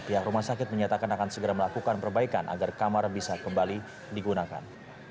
pihak rumah sakit menyatakan akan segera melakukan perbaikan agar kamar bisa kembali digunakan